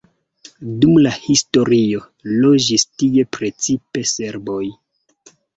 Dum la historio loĝis tie precipe serboj.